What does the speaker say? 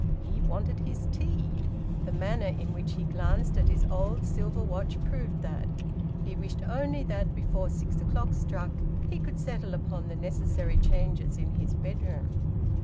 He `wanted his tea:' the manner in which he glanced at his old silver watch proved that. He wished only that before six o'clock struck he could settle upon the necessary changes in his bedroom.